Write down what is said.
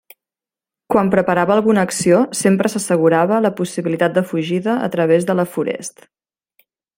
Quan preparava alguna acció sempre s'assegurava la possibilitat de fugida a través de la forest.